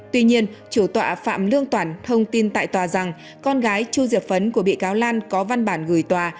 tuy nhiên chủ tọa phạm lương toản thông tin tại tòa rằng con gái chu diệp phấn của bị cáo lan có văn bản gửi tòa